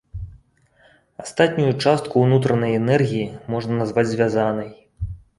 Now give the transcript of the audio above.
Астатнюю частку ўнутранай энергіі можна назваць звязанай.